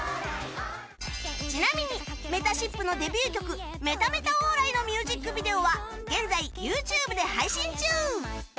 ちなみにめたしっぷのデビュー曲『メタメタオーライ！』のミュージックビデオは現在 ＹｏｕＴｕｂｅ で配信中